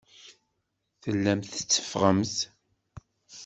Tellamt tetteffɣemt.